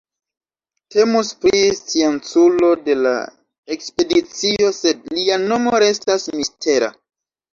Temus pri scienculo de la ekspedicio sed lia nomo restas mistera.